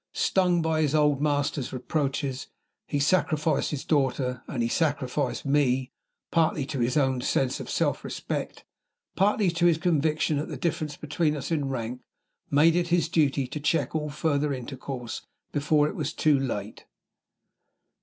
Stung by his old master's reproaches, he sacrificed his daughter and he sacrificed me partly to his own sense of self respect, partly to his conviction that the difference between us in rank made it his duty to check all further intercourse before it was too late.